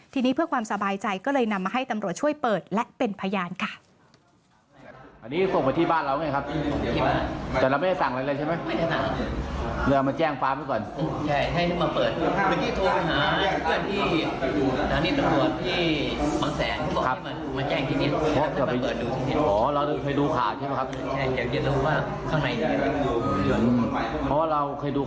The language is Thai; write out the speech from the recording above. ทีนี้เพื่อความสบายใจก็เลยนำมาให้ตำรวจช่วยเปิดและเป็นพยานค่ะ